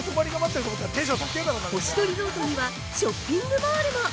星野リゾートにはショッピングモールも！